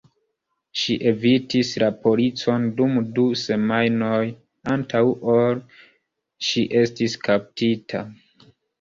Ŝi evitis la policon dum du semajnoj antaŭ ol ŝi estis kaptita.